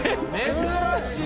珍しい。